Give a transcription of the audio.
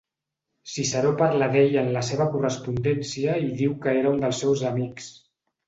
Ciceró parla d'ell en la seva correspondència i diu que era un dels seus amics.